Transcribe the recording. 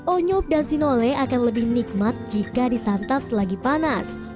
onyok dan sinole akan lebih nikmat jika disantap selagi panas